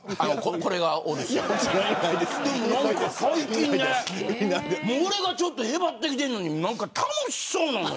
これのせいで俺がちょっとへばってきてるのにあいつ、楽しそうなのよ。